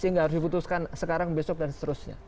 sehingga harus diputuskan sekarang besok dan seterusnya